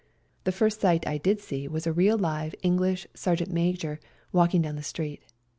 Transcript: The first sight I did see was a real live English sergeant major walking down the street.